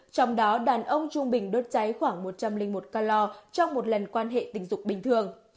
trong đó đàn ông trung bình đốt cháy khoảng một trăm linh một calor trong một lần quan hệ tình dục bình thường